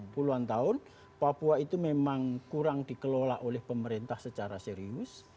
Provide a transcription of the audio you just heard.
puluhan tahun papua itu memang kurang dikelola oleh pemerintah secara serius